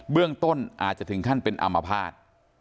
เรื่องต้นอาจจะถึงขั้นเป็นอามภาษณ์